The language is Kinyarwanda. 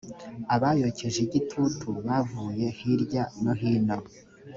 abayokeje igitutu bavuye hirya no hino .